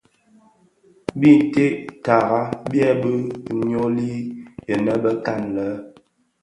Binted tara byèbi nyoli inë bekan lè.